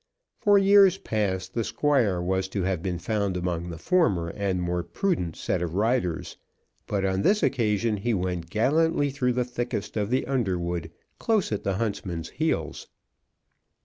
For years past the Squire was to have been found among the former and more prudent set of riders, but on this occasion he went gallantly through the thickest of the underwood, close at the huntsman's heels.